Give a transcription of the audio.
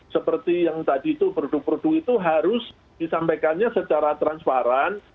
seperti yang tadi itu produk produk itu harus disampaikannya secara transparan